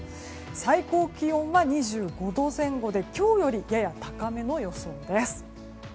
最高気温は２５度前後で今日よりやや高めの予想です。